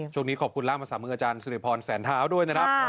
ช่วงนี้ขอบคุณล่างภาษามืออาจารย์สิริพรแสนเท้าด้วยนะครับ